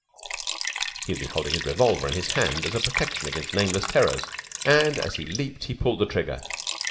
He had been holding his revolver in his hand as a protection against nameless terrors, and as he leaped he pulled the trigger.